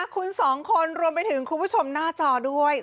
คุณสองคนรวมไปถึงคุณผู้ชมหน้าจอด้วย